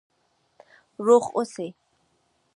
روغ اوسئ؟